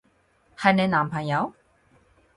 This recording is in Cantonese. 係你男朋友？